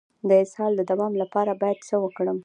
د اسهال د دوام لپاره باید څه وکړم؟